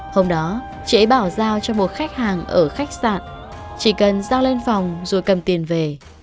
hôm đó chế bảo giao cho một khách hàng ở khách sạn chỉ cần giao lên phòng rồi cầm tiền về